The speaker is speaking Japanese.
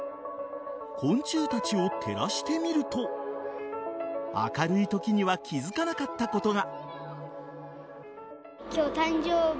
昆虫たちを照らしてみると明るいときには気付かなかったことが。